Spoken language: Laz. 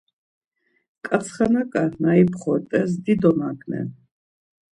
Ǩantsxanaǩa na imxopes dido naǩnen.